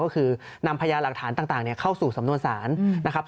ก็คือนำพญาหลักฐานต่างเข้าสู่สำนวนศาลนะครับ